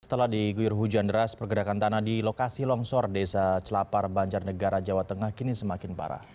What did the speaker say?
setelah diguyur hujan deras pergerakan tanah di lokasi longsor desa celapar banjarnegara jawa tengah kini semakin parah